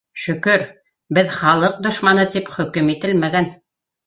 Шөкөр, беҙ халыҡ дошманы тип хөкөм ителмәгән!